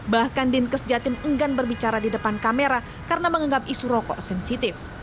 bahkan dinkes jatim enggan berbicara di depan kamera karena menganggap isu rokok sensitif